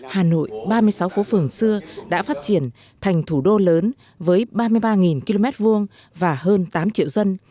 hà nội ba mươi sáu phố phường xưa đã phát triển thành thủ đô lớn với ba mươi ba km hai và hơn tám triệu dân